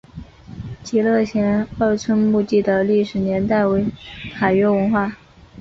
极乐前二村墓地的历史年代为卡约文化。